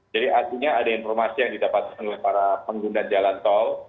jadi artinya ada informasi yang didapatkan oleh para pengguna jalan sol